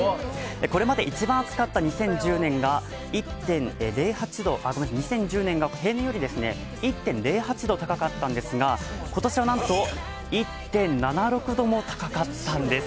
これまで一番暑かった２０１０年が平年より１．０８度高かったんですが今年はなんと１．７６度も高かったんです。